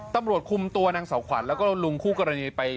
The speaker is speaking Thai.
ตำรวจคุมตัวนางสาวขวัญแล้วก็ลุงคู่กรณีไป